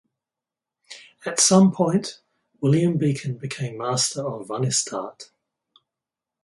At some point William Beacon became master of "Vansittart".